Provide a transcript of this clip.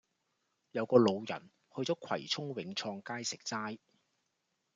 有個老人去左葵涌永創街食齋